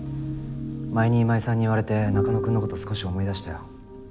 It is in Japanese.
前に今井さんに言われて中野くんの事少し思い出したよ。